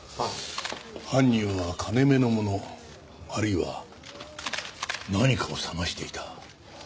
犯人は金目の物あるいは何かを捜していた。